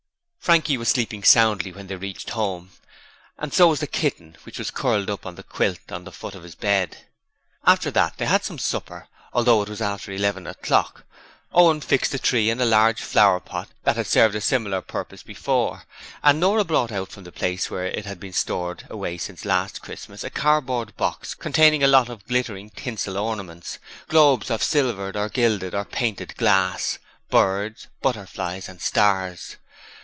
Frankie was sleeping soundly when they reached home, and so was the kitten, which was curled up on the quilt on the foot of the bed. After they had had some supper, although it was after eleven o'clock, Owen fixed the tree in a large flower pot that had served a similar purpose before, and Nora brought out from the place where it had been stored away since last Christmas a cardboard box containing a lot of glittering tinsel ornaments globes of silvered or gilded or painted glass, birds, butterflies and stars.